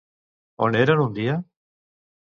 On eren un dia?